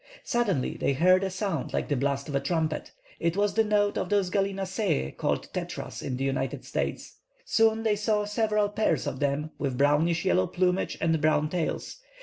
Suddenly they heard a sound like the blast of a trumpet. It was the note of those gallinaceæ, called "tetras" in the United States. Soon they saw several pairs of them, with brownish yellow plumage and brown tails.